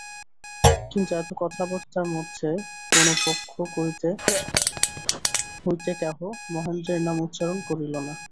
কিন্তু এত কথাবার্তার মধ্যে কোনো পক্ষ হইতে কেহ মহেন্দ্রের নাম উচ্চারণ করিল না।